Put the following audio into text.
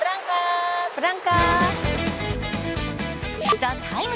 「ＴＨＥＴＩＭＥ，」